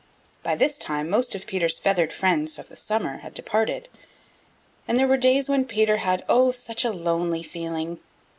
By this time most of Peter's feathered friends of the summer had departed, and there were days when Peter had oh, such a lonely feeling.